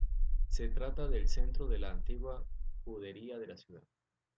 Se trata del centro de la antigua judería de la ciudad.